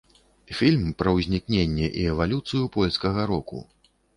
Фільм пра ўзнікненне і эвалюцыю польскага року.